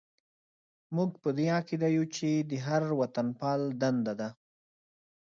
موږ په دې عقیده یو چې د هر وطنپال دنده ده.